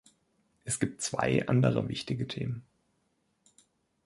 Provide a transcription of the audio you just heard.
Es gibt zwei andere wichtige Themen.